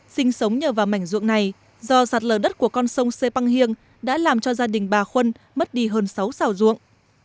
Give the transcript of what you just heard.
sinh sống nhờ vào mảnh ruộng này do sạt lở đất của con sông se băng hiêng đã làm cho gia đình bà khuân mất đi hơn sáu xảo ruộng